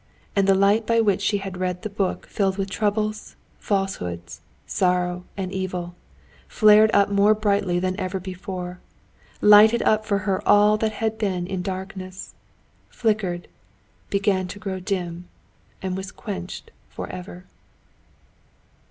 And the light by which she had read the book filled with troubles, falsehoods, sorrow, and evil, flared up more brightly than ever before, lighted up for her all that had been in darkness, flickered, began to grow dim, and was quenched forever.